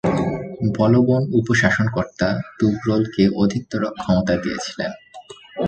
বলবন উপ-শাসনকর্তা তুগরলকে অধিকতর ক্ষমতা দিয়েছিলেন।